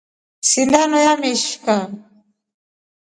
Sindono yamishka.